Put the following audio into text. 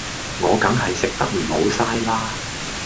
我梗係食得唔好嘥啦